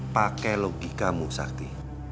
pakai logikamu sakti